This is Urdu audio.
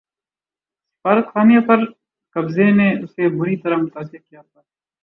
سفارت خانے پر قبضے نے اسے بری طرح متاثر کیا تھا